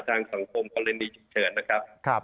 ทางสังคมพลินีจิบเฉินนะครับ